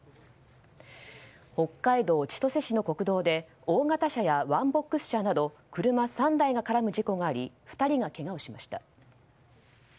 北海道千歳市の国道で大型車やワンボックス車など車３台が絡む事故があり２人がけがをしました。